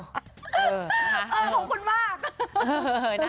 ขอบคุณมาก